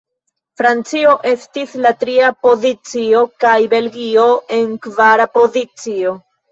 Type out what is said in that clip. Francio estis en tria pozicio, kaj Belgio en kvara pozicio.